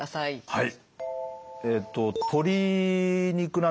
はい。